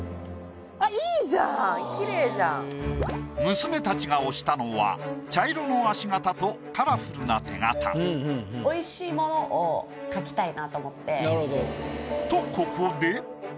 あっ娘たちが押したのは茶色の足形とカラフルな手形。とここで。